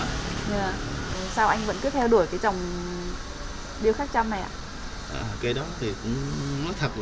làm sao anh vẫn kết manipulating chồng đi khách trong này cái đó thật là nó cũng đã cái đam mê